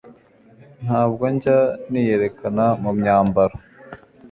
Ntabwo njya niyerekana mu myambaro